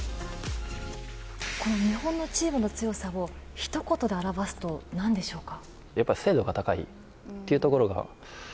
この日本のチームの強さをひと言で表すとなんでしょうか。